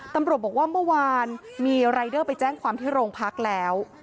ตำรวจบอกว่าเมื่อวานมีรายเดอร์ไปแจ้งความที่โรงพักแล้ว